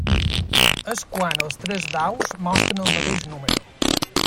És quan els tres daus mostren el mateix número.